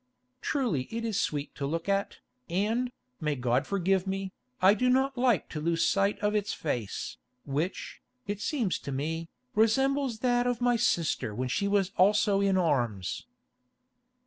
Truly it is sweet to look at, and, may God forgive me, I do not like to lose sight of its face, which, it seems to me, resembles that of my sister when she was also in arms."